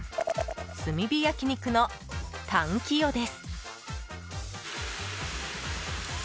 炭火焼き肉のたん清です。